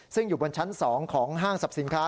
ซึ่งอยู่บนชั้น๒ของห้างสรรพสินค้า